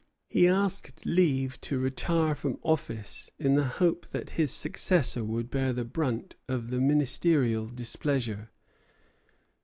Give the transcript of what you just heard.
He asked leave to retire from office, in the hope that his successor would bear the brunt of the ministerial displeasure.